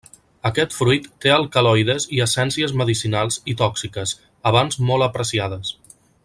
Aquest fruit té alcaloides i essències medicinals i tòxiques, abans molt apreciades.